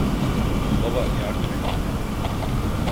Baba, yardım et!